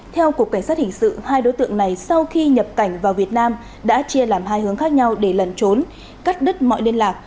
theo cục cảnh sát hình sự hai đối tượng này sau khi nhập cảnh vào việt nam đã chia làm hai hướng khác nhau để lần trốn cắt đứt mọi liên lạc